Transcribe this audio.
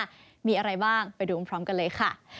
หลังงานก็จะมีอะไรบ้างไปดูพร้อม่ากันเลยค่ะ